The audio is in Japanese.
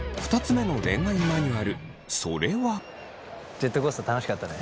ジェットコースター楽しかったね。